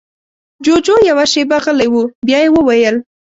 جُوجُو يوه شېبه غلی و، بيا يې وويل: